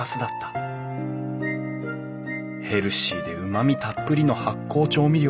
ヘルシーでうまみたっぷりの発酵調味料。